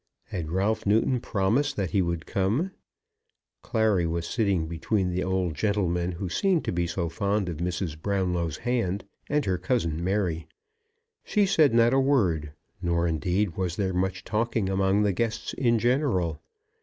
Had Ralph Newton promised that he would come? Clary was sitting between the old gentleman who seemed to be so fond of Mrs. Brownlow's hand and her cousin Mary. She said not a word, nor, indeed, was there much talking among the guests in general.